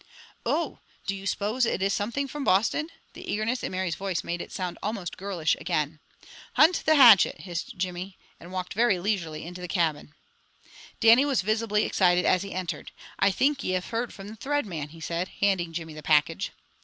"Oh! Do you suppose it is something from Boston?" the eagerness in Mary's voice made it sound almost girlish again. "Hunt the hatchet!" hissed Jimmy, and walked very leisurely into the cabin. Dannie was visibly excited as he entered. "I think ye have heard from the Thread Mon," he said, handing Jimmy the package.